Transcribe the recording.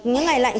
những ngày lạnh